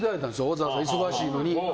わざわざ、忙しいのに。